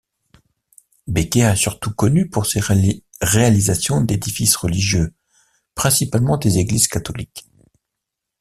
Becker est surtout connu pour ses réalisations d'édifices religieux, principalement des églises catholiques.